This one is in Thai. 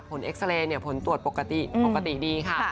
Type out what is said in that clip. ผลเอ็กซ์เรย์เนี่ยผลตรวจปกติปกติดีค่ะ